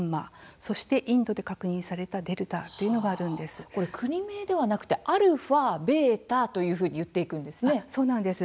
それからインドで確認された「デルタ」というものが国名ではなくて「アルファ」「ベータ」と言っていくんですね。